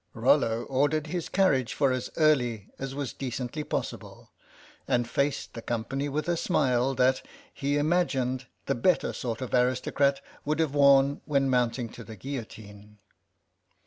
Rollo ordered his carriage for as early as was decently possible, and faced the company with a smile that he imagined the better sort of aristocrat would have worn when mounting to the guillotine.